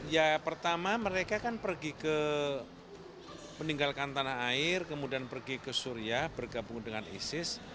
ya pertama mereka kan pergi ke meninggalkan tanah air kemudian pergi ke suria bergabung dengan isis